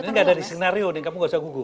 ini gak dari skenario nih kamu gak usah gugup